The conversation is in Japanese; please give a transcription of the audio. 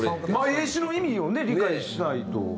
英詞の意味をね理解しないと。